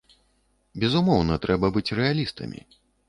Безумоўна, трэба быць рэалістамі.